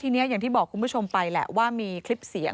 เป็ดก็ต้องอยู่ในเรือนจำไปก่อน